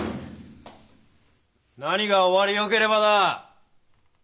何が「終わりよければ」だ！